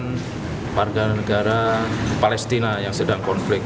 dan juga untuk meminta sumbangan dari petugas yang sedang berpengalaman